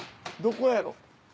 どこやろ？